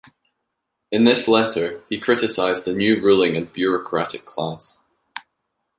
In this letter he criticized a new ruling and bureaucratic class.